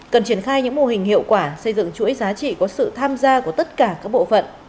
cần triển khai những mô hình hiệu quả xây dựng chuỗi giá trị có sự tham gia của tất cả các bộ phận